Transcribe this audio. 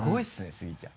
スギちゃん。